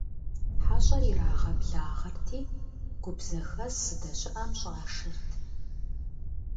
ХьэщӀэр ирагъэблагъэрти, гуп зэхэс здэщыӀэм щӀашэрт.